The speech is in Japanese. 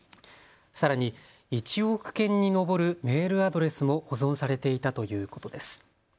さらに１億件に上るメールアドレスも保存されていたということです。